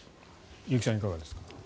結城さん、いかがですか？